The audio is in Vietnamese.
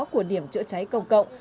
của điểm chữa cháy công cộng